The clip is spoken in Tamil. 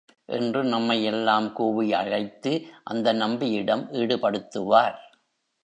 என்று நம்மை எல்லாம் கூவி அழைத்து அந்த நம்பியிடம் ஈடுபடுத்துவார்.